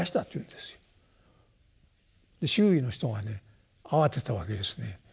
周囲の人がね慌てたわけですね。